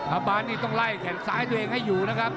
อาปานนี่ต้องไล่แขนซ้ายตัวเองให้อยู่นะครับ